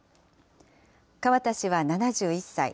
河田氏は７１歳。